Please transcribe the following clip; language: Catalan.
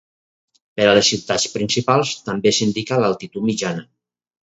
Per a les ciutats principals, també s'indica l'altitud mitjana.